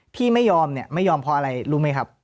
พี่ไม่ยอมเนี่ยไม่ยอมเพราะอะไรรู้ไหมครับ